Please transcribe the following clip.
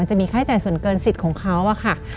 จะมีค่าใช้จ่ายส่วนเกินสิทธิ์ของเขาอะค่ะ